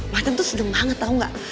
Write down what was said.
macan tuh sedeng banget tau gak